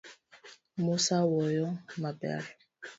Musa woyo maber .